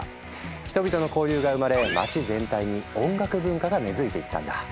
人々の交流が生まれ街全体に音楽文化が根づいていったんだ。